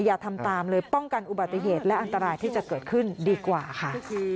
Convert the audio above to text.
อย่าทำตามเลยป้องกันอุบัติเหตุและอันตรายที่จะเกิดขึ้นดีกว่าค่ะ